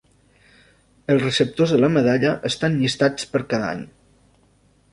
Els receptors de la medalla estan llistats per cada any.